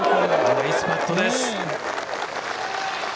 ナイスパットです。